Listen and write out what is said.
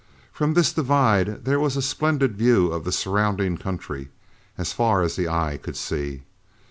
From this divide there was a splendid view of the surrounding country as far as eye could see.